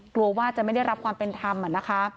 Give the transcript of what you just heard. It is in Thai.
กลัวว่าจะไม่ได้รับความเป็นธรรมนะคะ